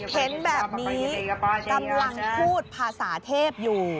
เห็นแบบนี้กำลังพูดภาษาเทพอยู่